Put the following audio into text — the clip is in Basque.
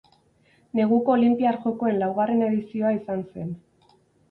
Neguko Olinpiar Jokoen laugarren edizioa izan zen.